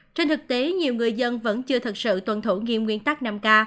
trên thực tế nhiều người dân vẫn chưa thật sự tuân thủ nghiêm nguyên tắc năm k